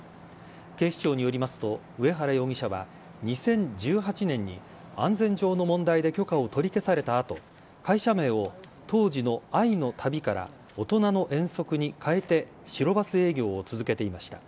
警視庁によりますと、上原容疑者は、２０１８年に安全上の問題で許可を取り消されたあと、会社名を当時の愛の旅からおとなの遠足に変えて白バス営業を続けていました。